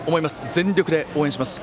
全力で応援します！